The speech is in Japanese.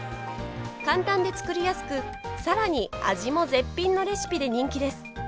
簡単で作りやすくさらに味も絶品のレシピで人気です。